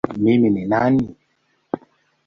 Mimi ni nani?